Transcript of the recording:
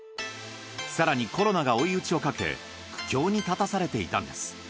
更にコロナが追い打ちをかけ苦境に立たされていたのです。